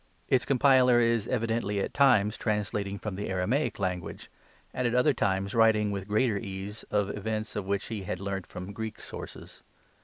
Its compiler is evidently at times translating from the Aramaic language, and at other times writing, with greater ease, of events of which he had learnt from Greek sources.